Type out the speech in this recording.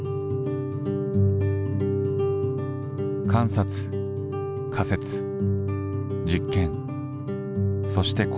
観察仮説実験そして考察。